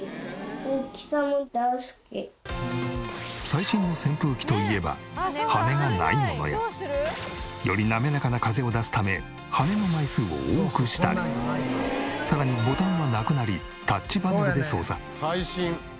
最新の扇風機といえば羽根がないものやより滑らかな風を出すため羽根の枚数を多くしたりさらにボタンはなくなりタッチパネルで操作。